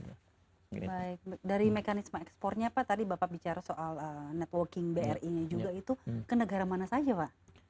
baik dari mekanisme ekspornya pak tadi bapak bicara soal networking bri nya juga itu ke negara mana saja pak